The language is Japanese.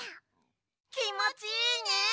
きもちいいね！